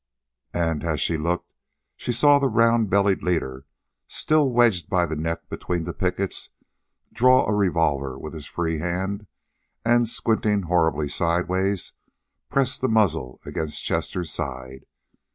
And as she looked, she saw the round bellied leader, still wedged by the neck between the pickets, draw a revolver with his free hand, and, squinting horribly sidewise, press the muzzle against Chester's side.